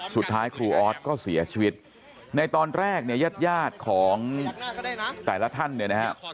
สุดท้ายครูออสก็เสียชีวิตในตอนแรกเนี่ยญาติญาติของแต่ละท่านเนี่ยนะฮะ